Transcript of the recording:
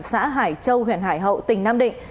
xã hải châu huyện hải hậu tỉnh nam định